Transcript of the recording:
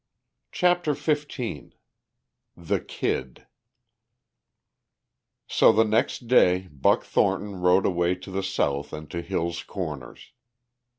CHAPTER XV THE KID So the next day Buck Thornton rode away to the south and to Hill's Corners.